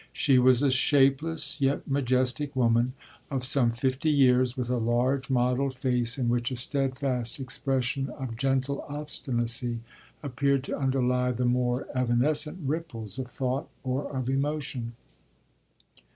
She was a shapeless yet majestic woman of some fifty years, with a large mottled face in which a steadfast expression of gentle obstinacy appeared to underly the more evanescent ripples of thought or of emotion.